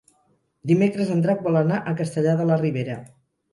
Dimecres en Drac vol anar a Castellar de la Ribera.